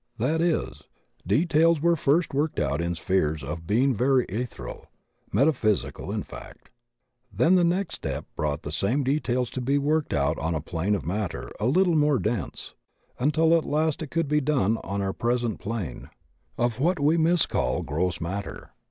That is, details were first worked out in spheres of being very ethereal, metaphysical in fact. Then the next step brought the same details to be worked out on a plane of matter a little more dense, until at last it could be done on our present plane of what we miscall gross matter.